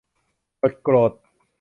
กดโกรธ